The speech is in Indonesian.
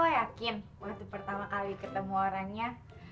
aku yakin waktu pertama kali ketemu orangnya